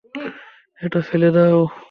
এটা ফেলে দাও।